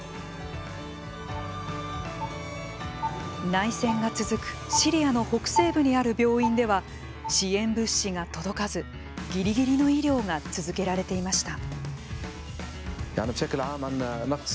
内戦が続くシリアの北西部にある病院では支援物資が届かずギリギリの医療が続けられていました。